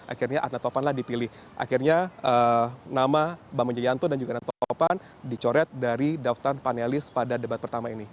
akhirnya adna topan lah dipilih akhirnya nama bimbi jayanto dan juga adna topan dicoret dari daftar panelis pada debat pertama ini